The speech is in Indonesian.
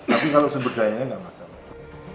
tapi kalau sumber dayanya nggak masalah